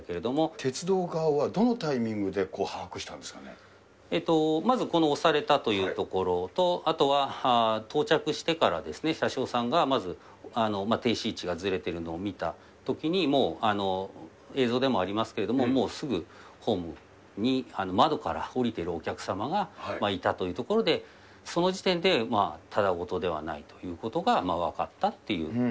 鉄道側はどのタイミングで把まずこの押されたというところと、あとは到着してからですね、車掌さんが、まず停止位置がずれているのを見たときに、もう映像でもありますけれども、もうすぐホームに、窓から降りてるお客様がいたというところで、その時点でただ事ではないということが分かったっていう。